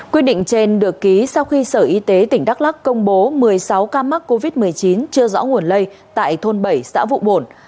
quyết định trên được ký sau khi sở y tế tỉnh đắk lắc công bố một mươi sáu ca mắc covid một mươi chín chưa rõ nguồn lây tại thôn bảy xã vụ bổn